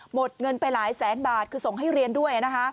หมดเงินไปหลายแสนบาทคือส่งให้เรียนด้วยนะคะ